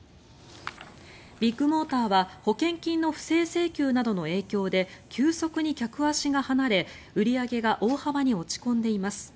ビッグモーターは保険金の不正請求などの影響で急速に客足が離れ売り上げが大幅に落ち込んでいます。